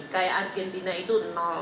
kayak argentina itu